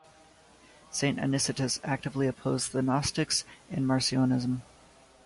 Saint Anicetus actively opposed the Gnostics and Marcionism.